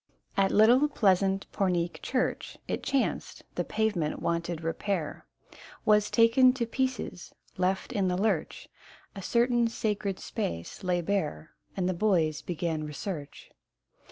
At little pleasant Pornic church, It chanced, the pavement wanted repair, Was taken to pieces : left in the lurch, A certain sacred space lay bare, And the boys began research.